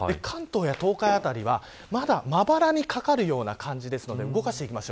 関東や東海辺りは、まだまばらにかかるような感じですので動かしていきます。